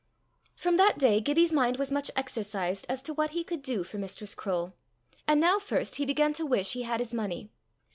From that day Gibbie's mind was much exercised as to what he could do for Mistress Croale, and now first he began to wish he had his money.